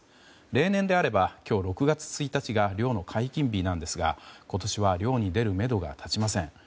例年であれば、今日６月１日が漁の解禁日なんですが今年は漁に出るめどが立ちません。